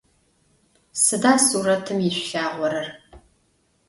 Sıda suretım yişsulhağorer?